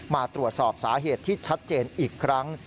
มาตรวจสอบสาเหตุที่ชัดเจนอีกครั้ง